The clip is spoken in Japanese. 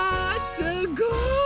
すごい！